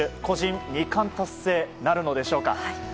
個人２冠達成なるのでしょうか。